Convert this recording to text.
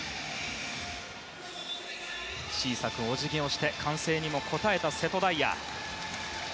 小さくお辞儀をして歓声にも応えた瀬戸大也。